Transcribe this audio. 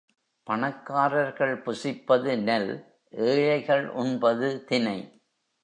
பணக்காரர்கள் புசிப்பது நெல் ஏழைகள் உண்பது தினை.